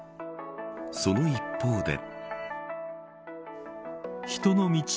その一方で。